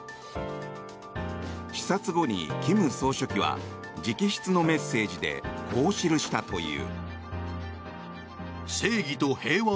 視察後に金総書記は直筆のメッセージでこう記したという。